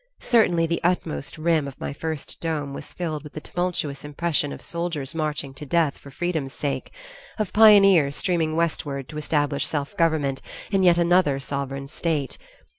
Certainly the utmost rim of my first dome was filled with the tumultuous impression of soldiers marching to death for freedom's sake, of pioneers streaming westward to establish self government in yet another sovereign state.